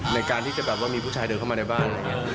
ในการที่จะแบบว่ามีผู้ชายเดินเข้ามาในบ้าน